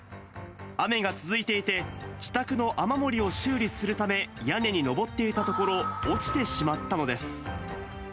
雨が続いていて、自宅の雨漏りを修理するため、屋根に上っていたところ、落ちてしまったのです。